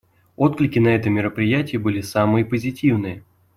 Отклики на это мероприятие были самые позитивные.